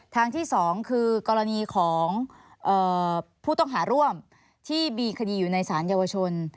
ทางที่๒คือกรณีของผู้ต้องหาร่วมที่มีคดีอยู่ในสารเยาวชน